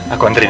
aku anterin ya